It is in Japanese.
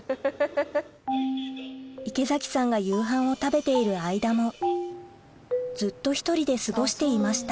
池崎さんが夕飯を食べている間もずっと１人で過ごしていました